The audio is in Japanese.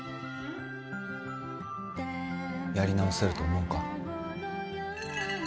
やり直せると思うか？